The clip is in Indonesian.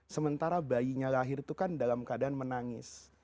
sementara bayinya lahir itu kan dalam keadaan menangis